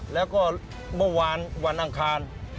แล้วก็เมื่อวานวันอังคาร